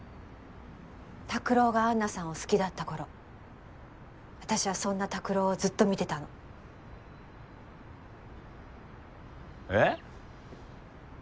拓郎が安奈さんを好きだった頃私はそんな拓郎をずっと見てたの。え？